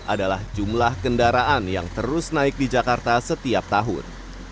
adalah jumlah kendaraan yang terus naik di jakarta setiap tahun